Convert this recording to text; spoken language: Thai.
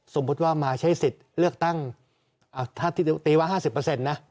สมมุติว่ามาใช้สิทธิ์เลือกตั้งถ้าตีว่า๕๐นะ